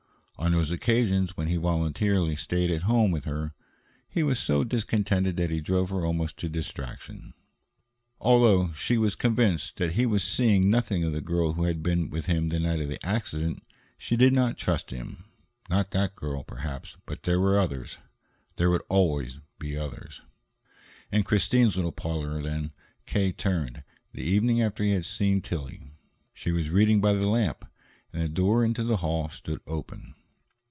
On those occasions when he voluntarily stayed at home with her, he was so discontented that he drove her almost to distraction. Although she was convinced that he was seeing nothing of the girl who had been with him the night of the accident, she did not trust him. Not that girl, perhaps, but there were others. There would always be others. Into Christine's little parlor, then, K. turned, the evening after he had seen Tillie. She was reading by the lamp, and the door into the hall stood open.